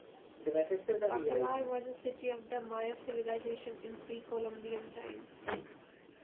Bacalar was a city of the Maya civilization in Pre-Columbian times.